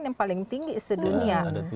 yang paling tinggi di dunia